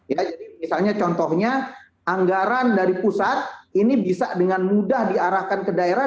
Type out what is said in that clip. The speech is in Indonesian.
ya jadi misalnya contohnya anggaran dari pusat ini bisa dengan mudah diarahkan ke daerah